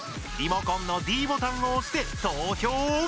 リモコンのｄボタンを押して投票を！